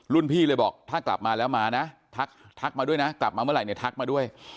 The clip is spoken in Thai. พี่เลยบอกถ้ากลับมาแล้วมานะทักมาด้วยนะกลับมาเมื่อไหร่เนี่ยทักมาด้วย